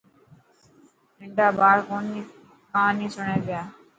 تڌا ٻاڙ ڪهاني سڻي پيا.